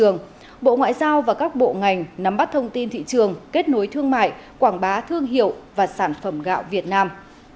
nắm bắt thông tin thị trường kết nối thương mại quảng bá thương hiệu và sản phẩm gạo việt nam